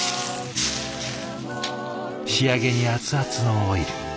仕上げに熱々のオイル。